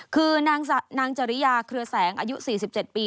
คือนางจริยาเครือแสงอายุ๔๗ปี